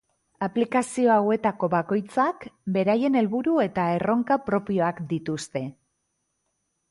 Aplikazio hauetako bakoitzak beraien helburu eta erronka propioak dituzte.